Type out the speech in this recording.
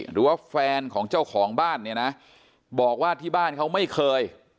หรือว่าแฟนของเจ้าของบ้านเนี่ยนะบอกว่าที่บ้านเขาไม่เคย